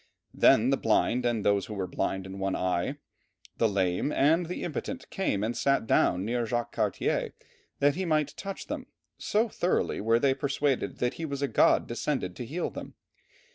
Then the blind, and those who were blind in one eye, the lame, and the impotent came and sat down near Jacques Cartier, that he might touch them, so thoroughly were they persuaded that he was a god descended to heal them.